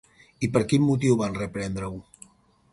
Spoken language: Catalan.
I per quin motiu van reprendre-ho?